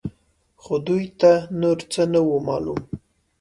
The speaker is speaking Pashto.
خو دوی ته نور څه نه وو معلوم.